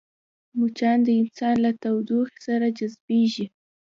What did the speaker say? مچان د انسان له تودوخې سره جذبېږي